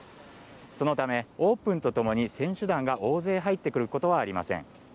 そのため、オープンとともに選手団が大勢入ってくることはありません。